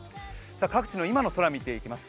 各地の今の空、見ていきます。